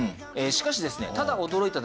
しかしですね。